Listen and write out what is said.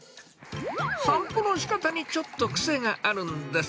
散歩のしかたにちょっと癖があるんです。